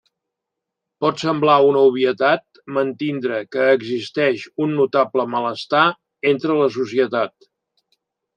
Pot semblar una obvietat mantindre que existeix un notable malestar entre la societat.